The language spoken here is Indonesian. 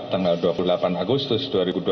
tanggal dua puluh delapan agustus dua ribu dua puluh